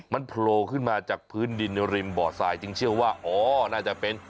มันโผล่ขึ้นมาจากพื้นดินริมบ่อทรายจึงเชื่อว่าอ๋อน่าจะเป็น